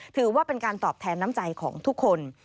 ถือว่าเป็นการตอบแทนน้ำใจของทุกคน